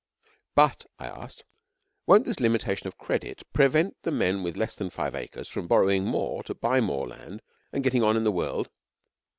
'But,' I asked, 'won't this limitation of credit prevent the men with less than five acres from borrowing more to buy more land and getting on in the world?'